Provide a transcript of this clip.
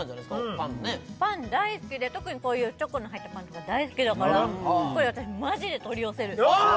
パンねパン大好きで特にこういうチョコの入ったパンとか大好きだからこれ私マジで取り寄せるあっ！